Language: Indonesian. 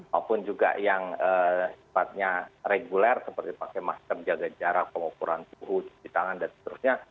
maupun juga yang sifatnya reguler seperti pakai masker jaga jarak pengukuran suhu cuci tangan dan seterusnya